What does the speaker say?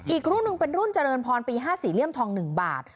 อีกรุ่นหนึ่งเป็นรุ่นเจริญพรปี๕๔เลี่ยมทอง๑บาท